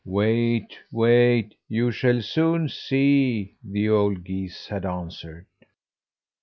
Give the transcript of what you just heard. "Wait, wait! You shall soon see," the old geese had answered.